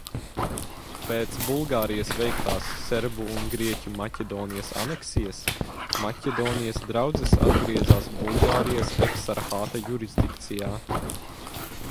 Pēc Bulgārijas veiktās serbu un grieķu Maķedonijas aneksijas, Maķedonijas draudzes atgriezās Bulgārijas eksarhāta jurisdikcijā.